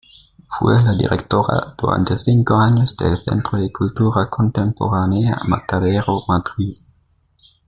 Fue la directora durante cinco años del Centro de Cultura Contemporánea Matadero Madrid.